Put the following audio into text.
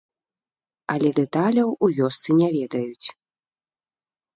Але дэталяў у вёсцы не ведаюць.